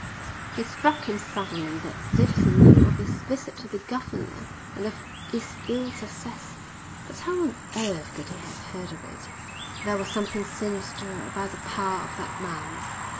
It struck him suddenly that Davidson knew of his visit to the governor and of its ill success. But how on earth could he have heard of it? There was something sinister about the power of that man.